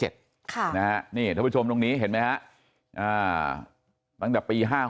ท่านผู้ชมตรงนี้เห็นไหมฮะตั้งแต่ปี๕๖